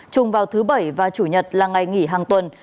chung vào thứ bảy và chủ nhật là ngày nghỉ hàng tuần